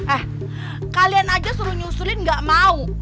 eh kalian aja suruh nyusulin gak mau